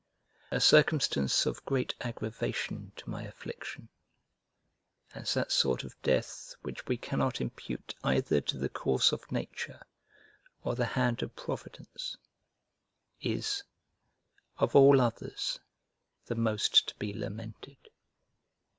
A circumstance of great aggravation to my affliction: as that sort of death which we cannot impute either to the course of nature, or the hand of Providence, is, of all others, the most to be lamented.